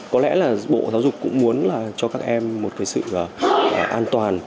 có lẽ là bộ giáo dục cũng muốn là cho các em một cái sự an toàn